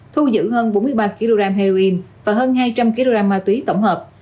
thu giữ hơn bốn mươi ba kg heroin và hơn hai trăm linh kg ma túy tổng hợp